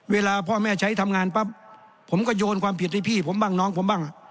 เวลาพ่อแม่ใช้ทำงานปั๊บผมก็โยนความผิดให้พี่ผมบ้างน้องผมบ้าง